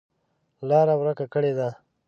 لاره ورکه کړې ده.